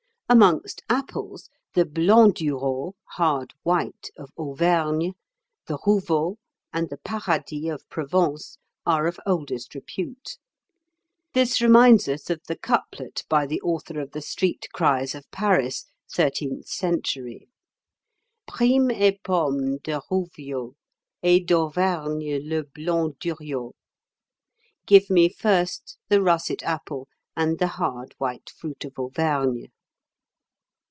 Amongst apples, the blandureau (hard white) of Auvergne, the rouveau, and the paradis of Provence, are of oldest repute. This reminds us of the couplet by the author of the "Street Cries of Paris," thirteenth century: "Primes ai pommes de rouviau, Et d'Auvergne le blanc duriau." ("Give me first the russet apple, And the hard white fruit of Auvergne.")